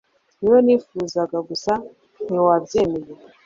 niwe nifuzaga gusa ntiwabyemeye